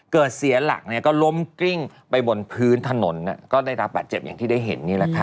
เสียหลักก็ล้มกริ้งไปบนพื้นถนนก็ได้รับบาดเจ็บอย่างที่ได้เห็นนี่แหละค่ะ